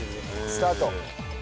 スタート。